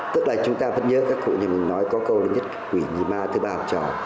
tức là chúng ta vẫn nhớ các cụ như mình nói có câu đến nhất quỷ nhì ma thứ ba học trò